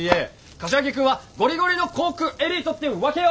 柏木君はゴリゴリの航空エリートってわけよ！